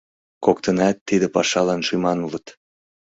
Коктынат тиде пашалан шӱман улыт.